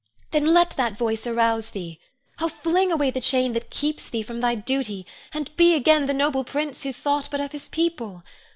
Then let that voice arouse thee. Oh, fling away the chain that keeps thee from thy duty, and be again the noble prince who thought but of his people.